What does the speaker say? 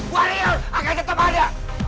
warrior akan tetep ada